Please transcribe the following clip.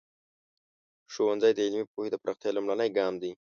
ښوونځی د علمي پوهې د پراختیا لومړنی ګام دی.